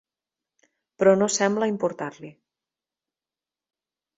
Però no sembla importar-li.